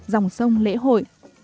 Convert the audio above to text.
dòng sông lễ hội